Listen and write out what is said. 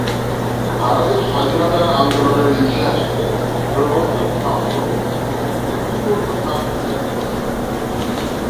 ভারতের স্বাধীনতা আন্দোলনের ইতিহাসে প্রবর্তক সংঘ একটি গুরুত্বপূর্ণ স্থান অধিকার করে আছে।